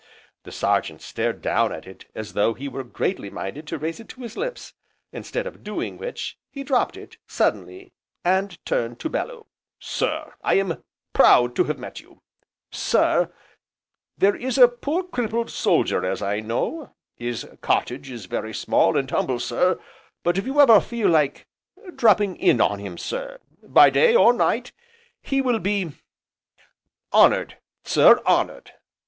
The Sergeant stared down at it as though he were greatly minded to raise it to his lips, instead of doing which, he dropped it, suddenly, and turned to Bellew: "Sir, I am proud to have met you. Sir, there is a poor crippled soldier as I know, My cottage is very small, and humble sir, but if you ever feel like dropping in on him, sir, by day or night, he will be honoured, sir, honoured!